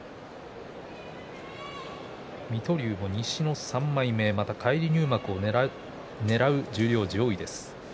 水戸龍も西の３枚目返り入幕をねらう十両上位です。